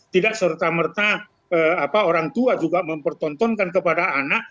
tidak serta merta orang tua juga mempertontonkan kepada anak